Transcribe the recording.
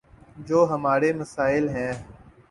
جو ہمارے مسائل ہیں۔